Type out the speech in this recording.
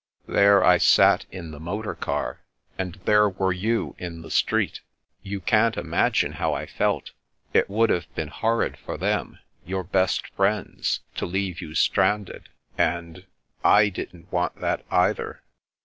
There I sat in the motor car, and there were you in the street. You can't imagine how I felt It would have been horrid for them — ^your best friends — ^to leave you stranded, and — I didn't want that either.